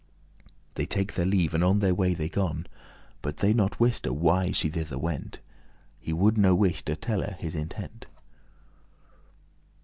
They take their leave, and on their way they gon: But they not wiste why she thither went; He would to no wight telle his intent.